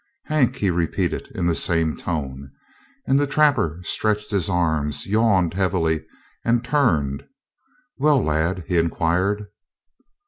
"Hank!" he repeated in the same tone, and the trapper stretched his arms, yawned heavily, and turned. "Well, lad?" he inquired.